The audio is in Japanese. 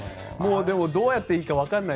どうやっていいか分からない。